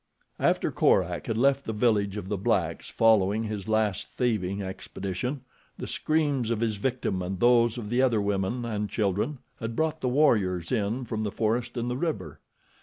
After Korak had left the village of the blacks following his last thieving expedition, the screams of his victim and those of the other women and children had brought the warriors in from the forest and the river.